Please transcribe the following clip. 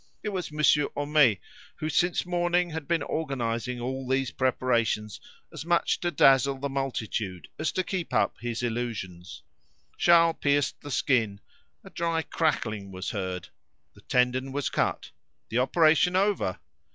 It was Monsieur Homais who since morning had been organising all these preparations, as much to dazzle the multitude as to keep up his illusions. Charles pierced the skin; a dry crackling was heard. The tendon was cut, the operation over.